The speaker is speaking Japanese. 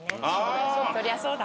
そりゃそうだ。